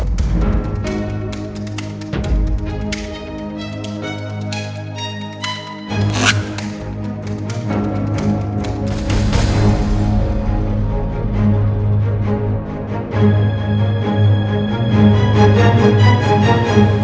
di pintu simpanan punya kak